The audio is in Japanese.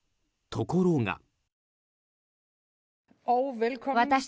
ところが。